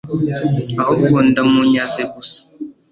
ahubwo ndamunyaze gusa;